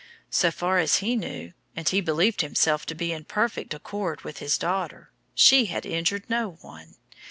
So far as he knew and he believed himself to have been in perfect accord with his daughter she had injured no one.